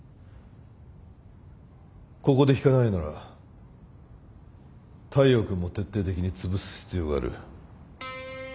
ここで引かないなら大陽君も徹底的につぶす必要がある